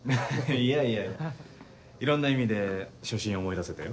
いやいやいろんな意味で初心を思い出せたよ。